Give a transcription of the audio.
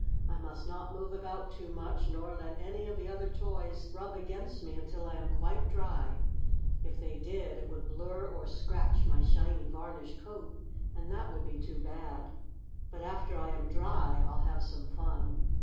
"I must not move about too much nor let any of the other toys rub against me until I am quite dry. If they did they would blur or scratch my shiny varnish coat, and that would be too bad. But after I am dry I'll have some fun.